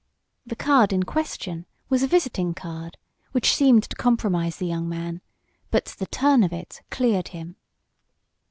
The "card" in question, was a visiting card, which seemed to compromise the young man, but the "turn" of it cleared him.